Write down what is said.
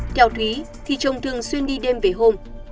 theo thúy thì chồng thường xuyên đi đêm về hôm